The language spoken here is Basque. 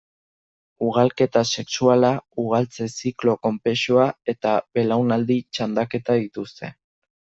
Ugalketa sexuala, ugaltze-ziklo konplexua eta belaunaldi-txandaketa dituzte.